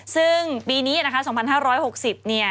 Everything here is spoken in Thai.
ซึ่งปีนี้